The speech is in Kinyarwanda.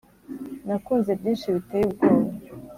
nakunze byinshi biteye ubwoba;